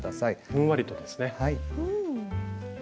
ふんわりとですね。